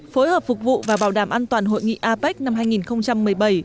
phối hợp phục vụ và bảo đảm an toàn hội nghị apec năm hai nghìn một mươi bảy